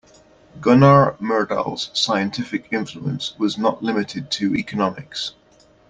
Gunnar Myrdal's scientific influence was not limited to economics.